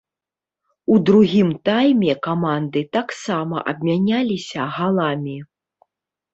У другім тайме каманды таксама абмяняліся галамі.